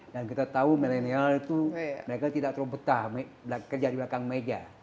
dan kita tahu milenial itu mereka tidak terlalu betah kerja di belakang meja